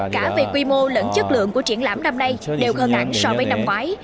cả về quy mô lẫn chất lượng của triển lãm năm nay đều hơn hẳn so với năm ngoái